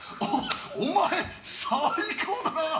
お前、最高だな！